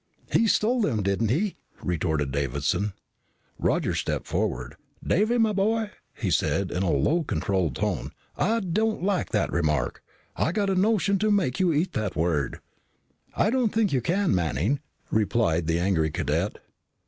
"He stole them, didn't he?" retorted Davison. Roger stepped forward. "Davy, my boy," he said in a low controlled tone, "I don't like that remark. I've got a notion to make you eat that word." "I don't think you can, Manning," replied the angry cadet.